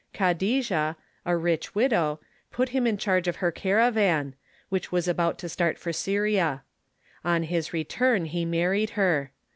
Khadija, a rich widow, put him in charge of her caravan, which was about to start for S^'ria. On his return he married her.